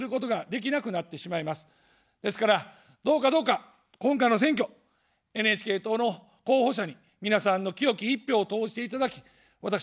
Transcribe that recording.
ですから、どうかどうか、今回の選挙、ＮＨＫ党の候補者に皆さんの清き一票を投じていただき、私どもを助けてください。